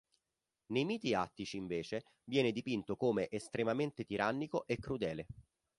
Nei miti attici invece viene dipinto come estremamente tirannico e crudele.